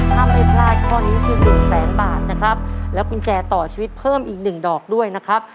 ถ้าไม่พลาดข้อนี้คือหนึ่งแสนบาทนะครับแล้วกุญแจต่อชีวิตเพิ่มอีกหนึ่งดอกด้วยนะครับ